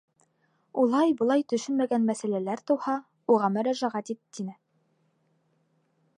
Улай-былай төшөнмәгән мәсьәләләр тыуһа, уға мөрәжәғәт ит, — тине.